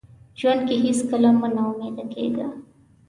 ژوند کې هیڅکله مه ناامیده کیږه.